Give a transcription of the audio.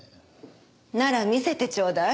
なら見せてちょうだい。